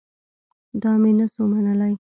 دا مې نه سو منلاى.